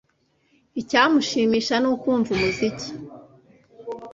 Icyamushimisha ni ukumva umuziki